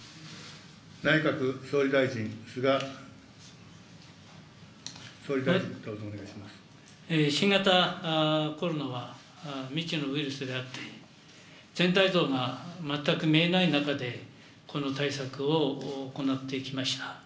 内閣総理大臣、菅総理大臣、新型コロナは、未知のウイルスであって、全体像が全く見えない中で、この対策を行ってきました。